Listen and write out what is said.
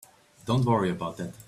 Don't worry about that.